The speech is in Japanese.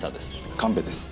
神戸です。